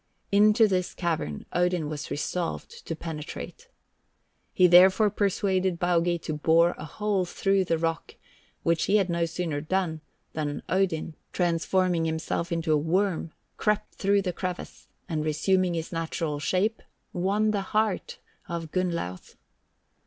Into this cavern Odin was resolved to penetrate. He therefore persuaded Baugi to bore a hole through the rock, which he had no sooner done than Odin, transforming himself into a worm, crept through the crevice, and resuming his natural shape, won the heart of Gunnlauth.